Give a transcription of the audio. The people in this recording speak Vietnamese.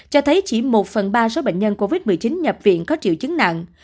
cho thấy chỉ một phần ba số bệnh nhân covid một mươi chín nhập viện có triệu chứng nặng